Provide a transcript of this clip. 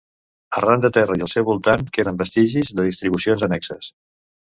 Arran de terra i al seu voltant queden vestigis de distribucions annexes.